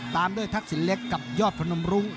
ตามด้วยทักษิณเล็กกับยอดพนมรุ้ง